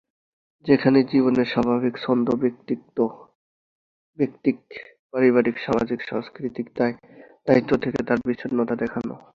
যেখানে জীবনের স্বাভাবিক ছন্দ, ব্যক্তিক-পারিবারিক-সামাজিক-সাংস্কৃতিক দায়-দায়িত্ব থেকে তার বিচ্ছিন্নতা দেখানো।